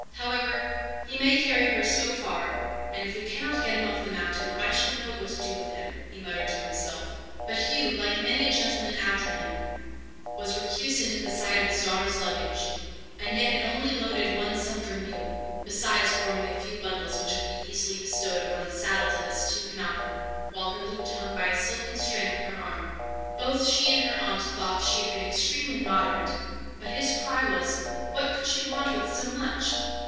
However, he may carry her so far, and, if we cannot get him up the mountain, I shall know what to do with him," he muttered to himself. But Hugh, like many a gentleman after him, was recusant at the sight of his daughter's luggage; and yet it only loaded one sumpter mule, besides forming a few bundles which could be easily bestowed upon the saddles of his two knappen, while her lute hung by a silken string on her arm. Both she and her aunt thought she had been extremely moderate; but his cry was, What could she want with so much?